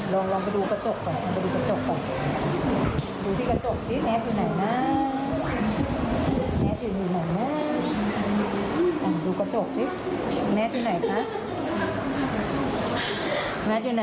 ลองไปดูกระจกก่อน